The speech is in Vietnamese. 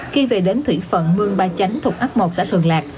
khi về đến thủy phận mương ba chánh thuộc ấp một xã thường lạc